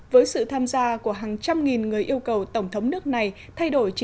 với sự tham gia của hàng trăm người